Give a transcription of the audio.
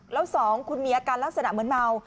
แล้ว๒คุณมีอาการลักษณะเหมือนเมา